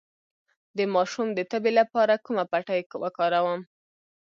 د ماشوم د تبې لپاره کومه پټۍ وکاروم؟